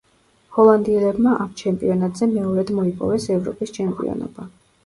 ჰოლანდიელებმა ამ ჩემპიონატზე მეორედ მოიპოვეს ევროპის ჩემპიონობა.